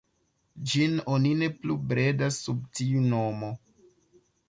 Ĝin oni ne plu bredas sub tiu nomo.